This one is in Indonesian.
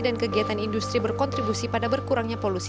dan kegiatan industri berkontribusi pada berkurangnya polusi